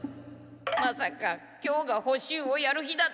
まさか今日が補習をやる日だったなんて。